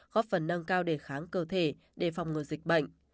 góp phần nâng cao để kháng cơ thể đề phòng người dịch bệnh